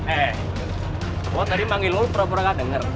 eh gue tadi manggil lo perap perap kan denger